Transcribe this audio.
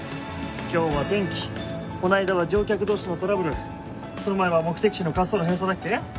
今日は天気この間は乗客同士のトラブルその前は目的地の滑走路閉鎖だっけ？